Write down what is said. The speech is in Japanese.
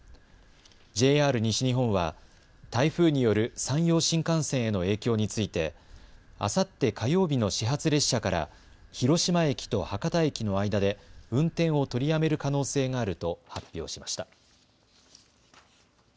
ＪＲ西日本は台風による山陽新幹線への影響についてあさって火曜日の始発列車から広島駅と博多駅の間で運転を取りやめる可能性があると発表しました。